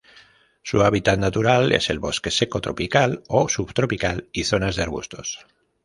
Su hábitat natural es el bosque seco tropical o subtropical y zonas de arbustos.